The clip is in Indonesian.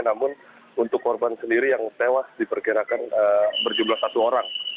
namun untuk korban sendiri yang tewas diperkirakan berjumlah satu orang